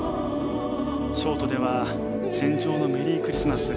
ショートでは「戦場のメリークリスマス」。